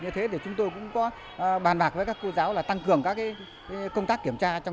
như thế thì chúng tôi cũng có bàn bạc với các cô giáo là tăng cường các công tác kiểm tra trong